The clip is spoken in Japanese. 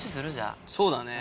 そうだね。